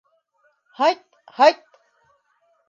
Һайт, һайт!